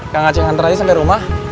kang aceng antri aja sampai rumah